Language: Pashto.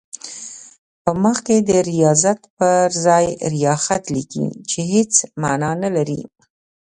په مخ کې د ریاضت پر ځای ریاخت لیکي چې هېڅ معنی نه لري.